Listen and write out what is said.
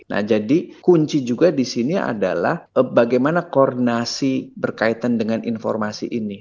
nah jadi kunci juga di sini adalah bagaimana koordinasi berkaitan dengan informasi ini